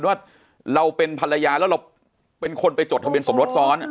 ว่าเราเป็นภรรยาแล้วเราเป็นคนไปจดทะเบียนสมรสซ้อน